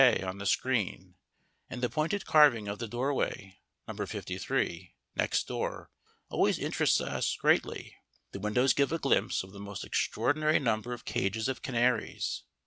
A. on the screen and the pointed carving of the doorway. Number 53, next door, always interests us greatly: the windows give a glimpse of the most extraordinary number of cages of canaries.